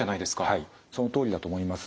はいそのとおりだと思います。